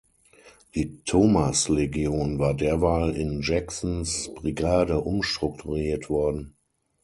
Die Thomas Legion war derweil in Jacksons Brigade umstrukturiert worden.